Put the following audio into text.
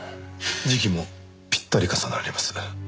時期もぴったり重なります。